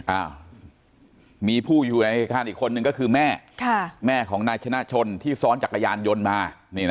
อ้าวมีผู้อยู่ในเหตุการณ์อีกคนนึงก็คือแม่แม่ของนายชนะชนที่ซ้อนจักรยานยนต์มา